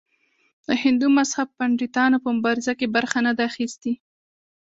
د هندو مذهب پنډتانو په مبارزو کې برخه نه ده اخیستې.